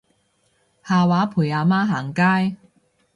下晝陪阿媽行街